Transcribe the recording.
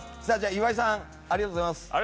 岩井さんありがとうございます。